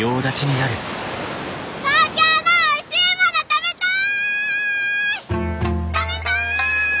食べたい！